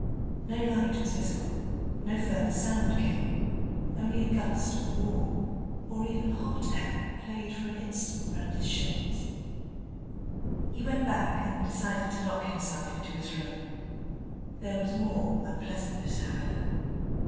No light was visible; no further sound came: only a gust of warm, or even hot air played for an instant round his shins. He went back and decided to lock himself into his room. There was more unpleasantness, however.